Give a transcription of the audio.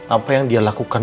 apa yang dia lakukan